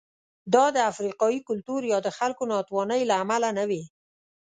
دا د افریقايي کلتور یا د خلکو ناتوانۍ له امله نه وې.